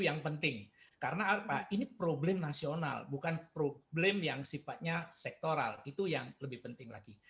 yang penting karena apa ini problem nasional bukan problem yang sifatnya sektoral itu yang lebih penting lagi